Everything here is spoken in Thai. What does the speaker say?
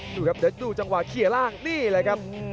เด็ดดูจังหวะเขียอร่างนี่แหละครับ